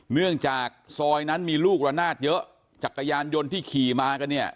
เนื่องจากซอยนั้นมีลูกระนาดเยอะจักรยานยนต์ที่ขี่มากันเนี่ย